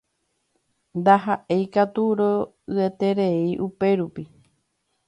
Ndaha'éikatu ro'yeterei upérupi.